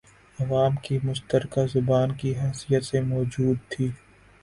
عوام کی مشترکہ زبان کی حیثیت سے موجود تھی